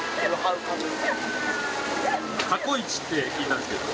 過去イチって聞いたんですけど。